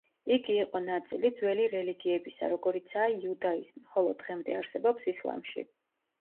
იგი იყო ნაწილი ძველი რელიგიებისა, როგორიცაა: იუდაიზმი, ხოლო დღემდე არსებობს ისლამში.